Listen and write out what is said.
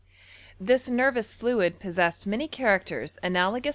This mnnooS' fluid possessed many characters analogous <r.